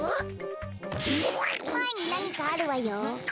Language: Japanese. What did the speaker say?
まえになにかあるわよ。